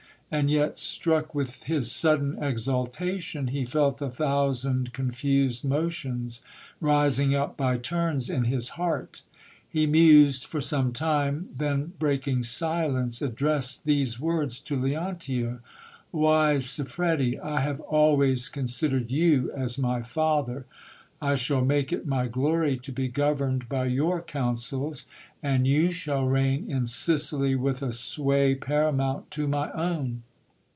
And yet, struck with his sudden exaltation, he felt a thousand confused motions rising up by :ums in his heart. He mused for some time, then breaking silence, addressed these words to Leontio — Wise Siffredi, I have always considered you as my father. I shall make it my glory to be governed by your counsels, and you shall reign in Sicily with a sway paramount to my own.